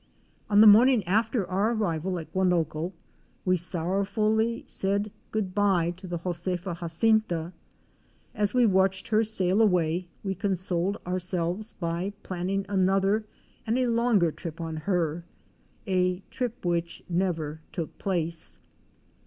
On the morning after our arrival at Guanoco we sorrowfully said good by to the "Josefa Jacinta." As we watched her sail away we consoled ourselves by planning another and a longer trip on her — a trip which never took place.